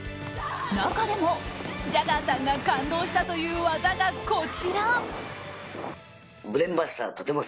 中でも、ジャガーさんが感動したという技がこちら。